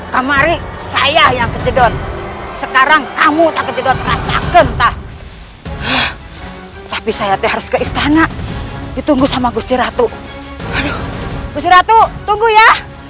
sama para budziratuh waston supaya tetap ingin menmana mana vermont sull hopeful tauh istana seperti j enforce the rapih anakku week already t parentheses kabar baru ya